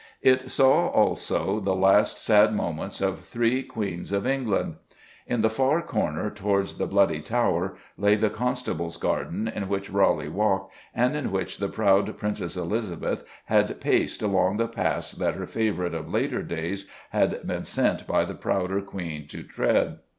It saw, also, the last sad moments of three Queens of England. In the far corner, towards the Bloody Tower, lay the Constable's Garden in which Raleigh walked, and in which the proud Princess Elizabeth had paced along the paths that her favourite of later days had been sent by the prouder Queen to tread.